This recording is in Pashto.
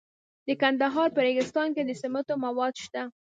د کندهار په ریګستان کې د سمنټو مواد شته.